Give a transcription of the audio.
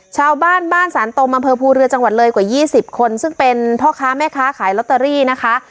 ชาวบ้านบ้านสานตมอำเภอภูเรือจังหวัดเลยกว่า๒๐คนซึ่งเป็นพ่อค้าแม่ค้าขายลอตเตอรี่นะคะ